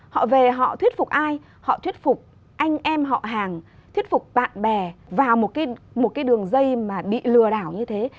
họ về họ thuyết phục ai họ thuyết phục anh em họ hàng thuyết phục bạn bè vào một cái đường dây mà bị lừa đảo như thế